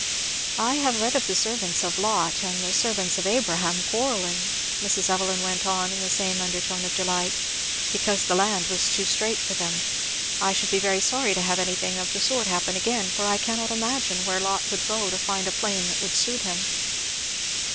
"I have read of the servants of Lot and the servants of Abraham quarrelling," Mrs. Evelyn went on in the same undertone of delight, "because the land was too strait for them I should be very sorry to have anything of the sort happen again, for I cannot imagine where Lot would go to find a plain that would suit him."